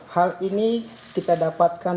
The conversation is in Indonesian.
hal ini kita dapatkan